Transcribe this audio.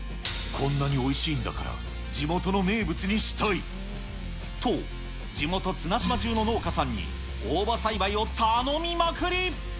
こんなにおいしいんだから、地元の名物にしたい、と、地元、綱島中の農家さんに大葉栽培を頼みまくり。